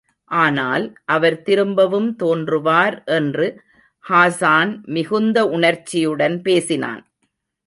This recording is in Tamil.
ஆனால், அவர் திரும்பவும் தோன்றுவார் என்று ஹாஸான் மிகுந்த உணர்ச்சியுடன் பேசினான்.